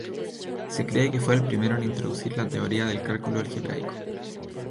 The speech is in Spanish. Se cree que fue el primero en introducir la teoría del cálculo algebraico.